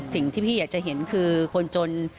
สิ่งที่พี่อยากจะเห็นคือคนจน